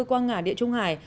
qua ngã địa trung hải